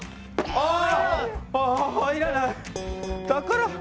ああ。